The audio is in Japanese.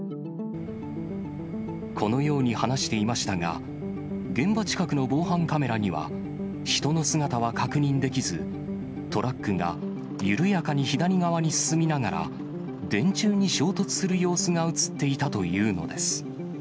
このように話していましたが、現場近くの防犯カメラには、人の姿は確認できず、トラックが緩やかに左側に進みながら、電柱に衝突する様子が写っていたというのです。